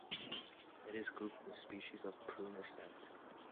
It is grouped with species of "Prunus" sect.